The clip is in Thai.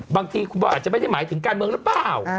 บางทีคุณบอยอาจจะไม่ได้หมายถึงการเมืองหรือเปล่า